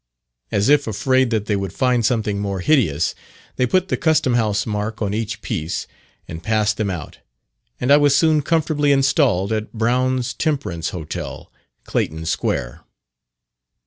As if afraid that they would find something more hideous, they put the Custom House mark on each piece, and passed them out, and I was soon comfortably installed at Brown's Temperance Hotel, Clayton Square.